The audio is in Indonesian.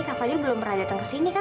kak fadil belum pernah datang kesini kan